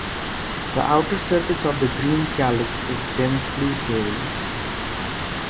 The outer surface of the green calyx is densely hairy.